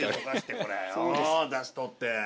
だし取って。